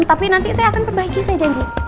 tapi nanti saya akan perbaiki saya janji